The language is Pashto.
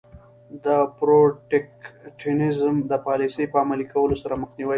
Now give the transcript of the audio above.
د protectionism د پالیسۍ په عملي کولو سره مخنیوی کوي.